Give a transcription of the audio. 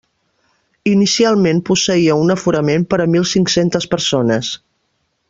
Inicialment posseïa un aforament per a mil cinc-centes persones.